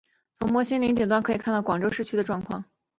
从摩星岭顶端可以看到广州市区的状况。